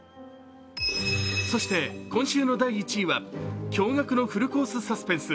そして今週の第１位は驚がくのフルコースサスペンス